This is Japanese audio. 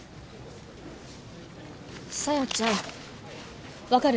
沙耶ちゃん分かる？